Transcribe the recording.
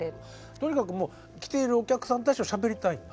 とにかく来ているお客さんたちとしゃべりたいんだ。